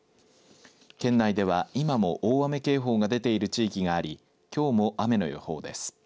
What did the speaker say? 県内では今も大雨警報が出ている地域がありきょうも雨の予報です。